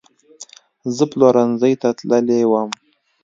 زه پلورنځۍ ته تللې وم